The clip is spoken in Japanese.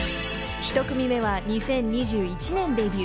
［１組目は２０２１年デビュー。